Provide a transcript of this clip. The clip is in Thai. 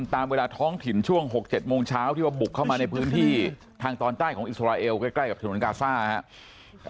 ตามเวลาท้องถิ่นช่วง๖๗โมงเช้าที่ว่าบุกเข้ามาในพื้นที่ทางตอนใต้ของอิสราเอลใกล้กับฉนวนกาซ่าครับ